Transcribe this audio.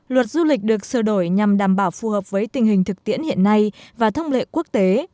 luật du lịch được sửa đổi nhằm đảm bảo phù hợp với tình hình thực tiễn hiện nay và thông lệ quốc tế